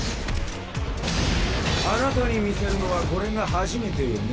あなたに見せるのはこれが初めてよね。